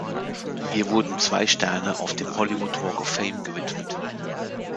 Ihr wurden zwei Sterne auf dem Hollywood Walk of Fame gewidmet.